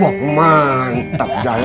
wah mantap jahe nya